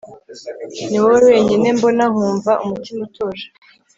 ni wowe wenyine mbona nkumva umutima utuje